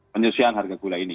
penyelesaian harga gula ini